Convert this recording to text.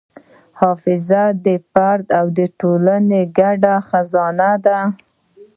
حافظه د فرد او ټولنې ګډ خزانه ده.